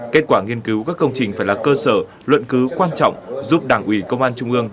kết quả nghiên cứu các công trình phải là cơ sở luận cứ quan trọng giúp đảng ủy công an trung ương